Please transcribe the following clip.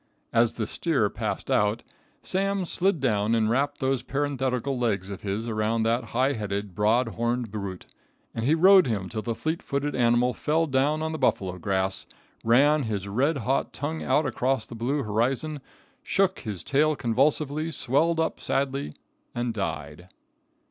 As the steer passed out, Sam slid down and wrapped those parenthetical legs of his around that high headed, broad horned brute, and he rode him till the fleet footed animal fell down on the buffalo grass, ran his hot red tongue out across the blue horizon, shook his tail convulsively, swelled up sadly and died.